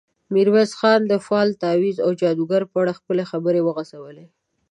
ميرويس خان د فال، تاويذ او جادو په اړه خپلې خبرې وغځولې.